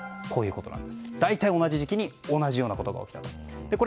大体同じ時期に同じようなことが起きたと。